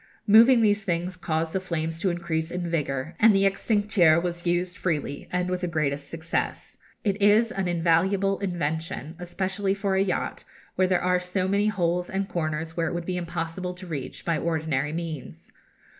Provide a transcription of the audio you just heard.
Moving these things caused the flames to increase in vigour, and the extincteur was used freely, and with the greatest success. It is an invaluable invention, especially for a yacht, where there are so many holes and corners which it would be impossible to reach by ordinary means.